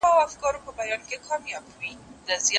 بیا د ښکلیو پر تندیو اوربل خپور سو